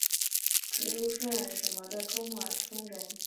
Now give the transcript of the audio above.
直隶省庆云县中马村人。